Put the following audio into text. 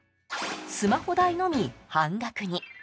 スマホ代のみ半額に。